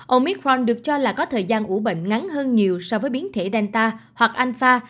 omicron được cho là có thời gian ủ bệnh ngắn hơn nhiều so với biến thể delta hoặc alpha